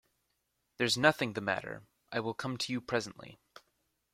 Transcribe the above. There's nothing the matter; I will come to you presently.